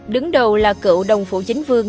đứng đầu là cựu đồng phủ chính vương